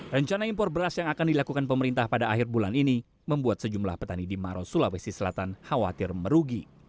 rencana impor beras yang akan dilakukan pemerintah pada akhir bulan ini membuat sejumlah petani di maros sulawesi selatan khawatir merugi